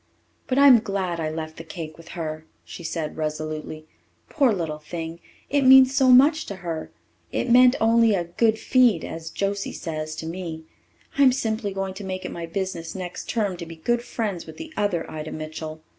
"But I'm glad I left the cake with her," she said resolutely. "Poor little thing! It means so much to her. It meant only 'a good feed,' as Josie says, to me. I'm simply going to make it my business next term to be good friends with the other Ida Mitchell.